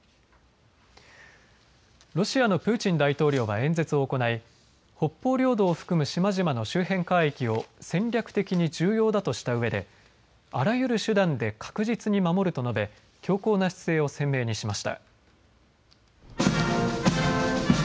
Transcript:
ロシアのプーチン大統領が演説を行い北方領土を含む島々の周辺海域を戦略的に重要だとしたうえであらゆる手段で確実に守ると述べ強硬な姿勢を鮮明にしました。